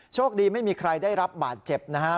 โชคดีไม่มีใครได้รับบาดเจ็บนะฮะ